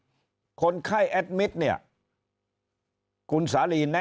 อย่างนั้นเนี่ยถ้าเราไม่มีอะไรที่จะเปรียบเทียบเราจะทราบได้ไงฮะเออ